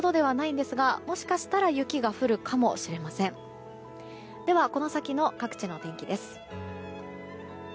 では、この先の各地のお天気です。